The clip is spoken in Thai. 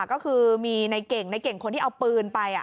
ก็คือมีในเก่งในเก่งคนที่เอาปืนไป